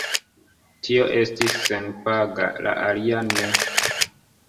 Tio estis senpaga, la alia ne.